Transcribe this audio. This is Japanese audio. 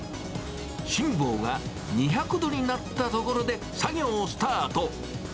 芯棒が２００度になったところで、作業スタート。